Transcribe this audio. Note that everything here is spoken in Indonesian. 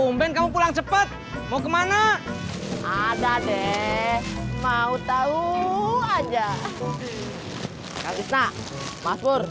mau kemana ada deh mau tahu aja